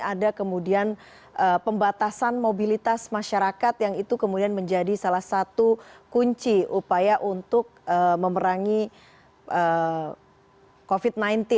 ada kemudian pembatasan mobilitas masyarakat yang itu kemudian menjadi salah satu kunci upaya untuk memerangi covid sembilan belas